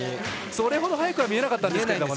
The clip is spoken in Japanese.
それほど速くは見えなかったんですが。